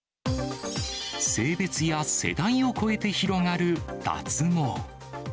性別や世代を超えて広がる脱毛。